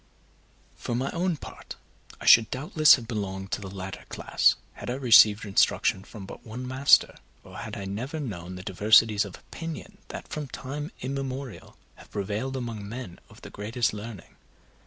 For my own part, I should doubtless have belonged to the latter class, had I received instruction from but one master, or had I never known the diversities of opinion that from time immemorial have prevailed among men of the greatest learning.